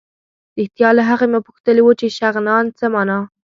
رښتیا له هغه مې پوښتلي وو چې شغنان څه مانا.